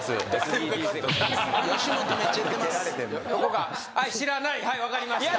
横川はいわかりました